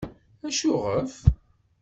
Acuɣef?